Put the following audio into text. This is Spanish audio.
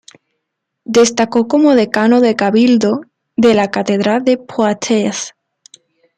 Destacó como decano del cabildo de la catedral de Poitiers.